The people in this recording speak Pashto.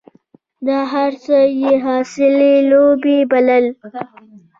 دا هر څه یې خاصې لوبې بلل.